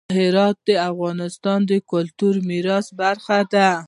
هرات د افغانستان د کلتوري میراث برخه ده.